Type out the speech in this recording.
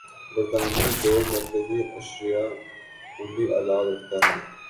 برطانیہ دو مرکزی اشاریہ ہُنڈی آلات رکھتا ہے